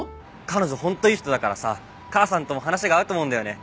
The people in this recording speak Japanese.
彼女本当いい人だからさ母さんとも話が合うと思うんだよね。